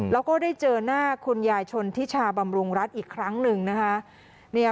แล้วก็ได้เจอหน้าคุณยายชนทิชาบำรุงรัฐอีกครั้งหนึ่งนะคะ